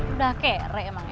udah kere emang ya